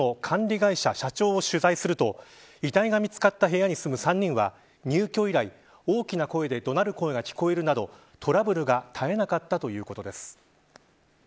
会社社長を取材すると遺体が見つかった部屋に住む３人は入居以来、大きな声で怒鳴る声が聞こえるなどトラブルが絶えなかったということです。